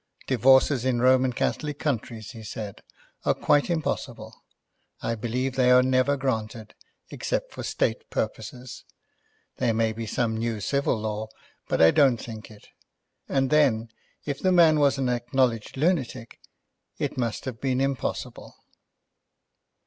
"Divorces in Roman Catholic countries," he said, "are quite impossible. I believe they are never granted, except for State purposes. There may be some new civil law, but I don't think it; and then, if the man was an acknowledged lunatic, it must have been impossible."